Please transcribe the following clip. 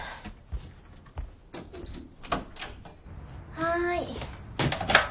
・はい。